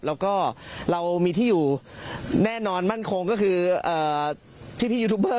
แล้วก็เรามีที่อยู่แน่นอนมั่นคงก็คือพี่ยูทูบเบอร์